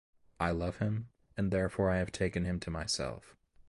I love him, and therefore I have taken him to myself.